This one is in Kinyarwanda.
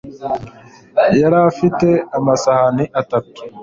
yari afite amasahani atatu